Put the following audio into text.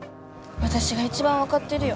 私が一番分かってるよ